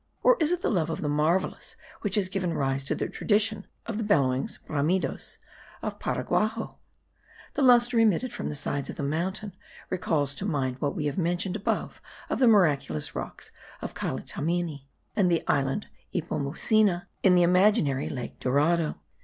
or is it the love of the marvellous, which has given rise to the tradition of the bellowings (bramidos) of Paraguaxo? The lustre emitted from the sides of the mountain recalls to mind what we have mentioned above of the miraculous rocks of Calitamini, and the island Ipomucena, in the imaginary Lake Dorado.